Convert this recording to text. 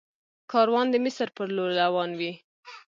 کاروان د مصر په لور روان وي.